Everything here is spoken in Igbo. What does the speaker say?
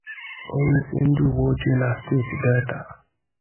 onyeisi ndị uweojii na steeti Delta